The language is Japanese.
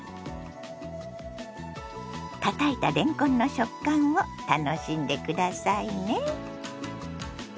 たたいたれんこんの食感を楽しんで下さいね。